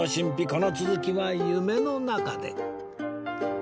この続きは夢の中で